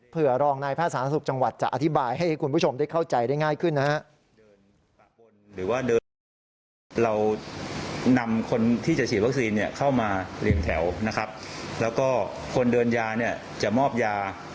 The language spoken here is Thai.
เพื่อรองนายแพทย์สาธารณสุขจังหวัดจะอธิบายให้คุณผู้ชมได้เข้าใจได้ง่ายขึ้นนะฮะ